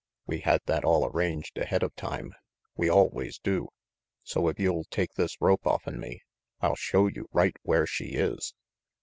We had that all arranged ahead of time. We always do. So if you'll take this rope offen me, I'll show you right where she is."